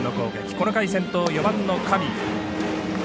この回先頭、４番の上。